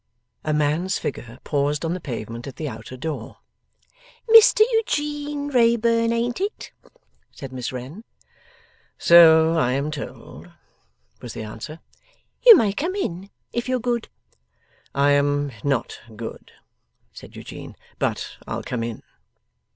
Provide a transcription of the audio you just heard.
A man's figure paused on the pavement at the outer door. 'Mr Eugene Wrayburn, ain't it?' said Miss Wren. 'So I am told,' was the answer. 'You may come in, if you're good.' 'I am not good,' said Eugene, 'but I'll come in.